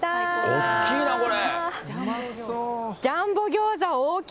大きいな、これ。